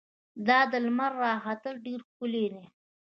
دا د لمر راختل ډېر ښکلی دي.